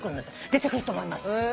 「出てくると思います」